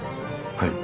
はい。